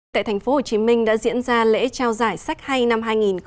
tại tp hcm đã diễn ra lễ trao giải sách hay năm hai nghìn hai mươi